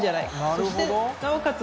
そしてなおかつ